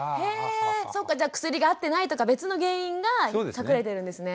そっかじゃあ薬が合ってないとか別の原因が隠れてるんですね。